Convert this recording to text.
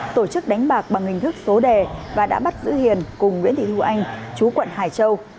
tổ chức đánh bạc bằng hình thức số đề và đã bắt giữ hiền cùng nguyễn thị thu anh chú quận hải châu